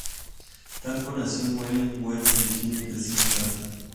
Campo nació en Wheeling, West Virginia, y creció en St.